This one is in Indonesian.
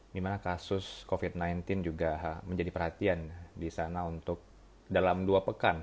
dimana kasus covid sembilan belas juga menjadi perhatian di sana untuk dalam dua pekan